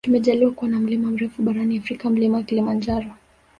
Tumejaliwa kuwa na mlima mrefu barani afrika mlima kilimanjaro